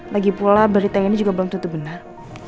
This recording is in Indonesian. lagipula berita ini juga belum tutup benar